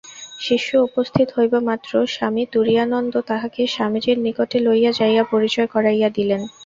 শিষ্য উপস্থিত হইবামাত্র স্বামী তুরীয়ানন্দ তাহাকে স্বামীজীর নিকটে লইয়া যাইয়া পরিচয় করাইয়া দিলেন।